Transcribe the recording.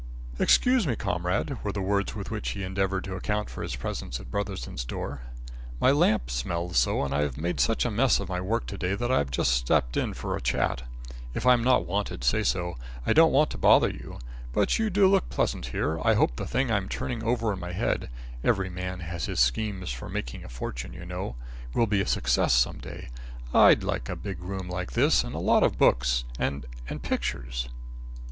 "Excuse me, comrade," were the words with which he endeavoured to account for his presence at Brotherson's door. "My lamp smells so, and I've made such a mess of my work to day that I've just stepped in for a chat. If I'm not wanted, say so. I don't want to bother you, but you do look pleasant here. I hope the thing I'm turning over in my head every man has his schemes for making a fortune, you know will be a success some day. I'd like a big room like this, and a lot of books, and and pictures."